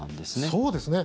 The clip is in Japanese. そうですね。